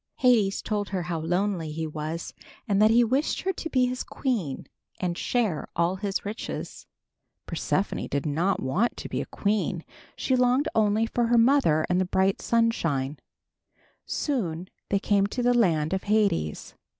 Hades told her how lonely he was, and that he wished her to be his queen and share all his riches. Persephone did not want to be a queen. She longed only for her mother and the bright sunshine. Soon they came to the land of Hades.